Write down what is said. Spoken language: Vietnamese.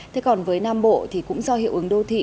thế còn với nam bộ thì cũng do hiệu ứng đô thị